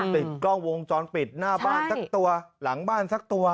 ติดกล้องวงจรปิดหน้าบ้านสักตัวหลังบ้านสักตัว